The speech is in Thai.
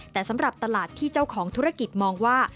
แต่สำหรับตลาดที่เจ้าของธุรกิจมองว่า